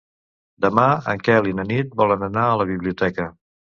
Demà en Quel i na Nit volen anar a la biblioteca.